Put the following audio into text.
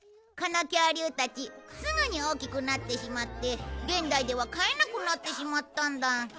この恐竜たちすぐに大きくなってしまって現代では飼えなくなってしまったんだ